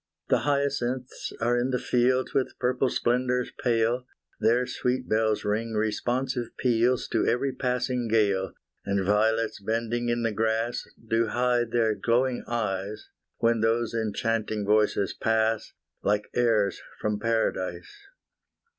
The hyacinths are in the fields With purple splendours pale Their sweet bells ring responsive peals To every passing gale And violets bending in the grass Do hide their glowing eyes, When those enchanting voices pass, Like airs from Paradise.